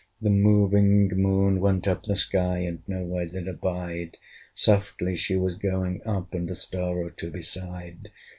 The moving Moon went up the sky, And no where did abide: Softly she was going up, And a star or two beside.